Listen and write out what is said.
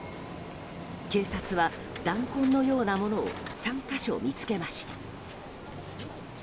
警察は、弾痕のようなものを３か所見つけました。